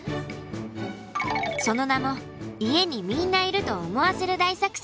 その名も家にみんないると思わせる大作戦。